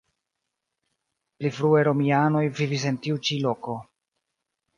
Pli frue romianoj vivis en tiu ĉi loko.